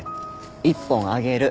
１本あげる。